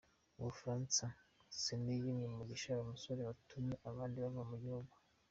U Bufaransa Sena yimye umugisha umusoro watumye abandi bava mu gihugu